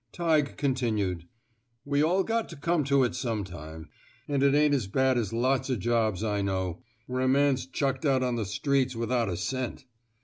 Tighe continued: '' We all got to come to it sometime. An' it ain't as bad as lots of jobs I know, where a man's chucked out on 223 i THE SMOKE EATEES the streets without a cent.